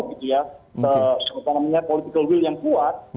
political will yang kuat